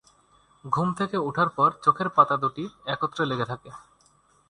ঘুম থেকে উঠার পর চোখের পাতা দুটি একত্রে লেগে থাকে।